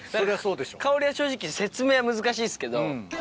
香りは正直説明は難しいっすけど。